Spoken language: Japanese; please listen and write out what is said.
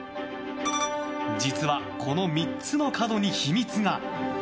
実は、この３つの角に秘密が。